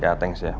ya thanks ya